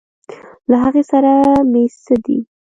له هغې سره مې څه دي.